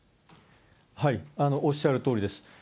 おっしゃるとおりです。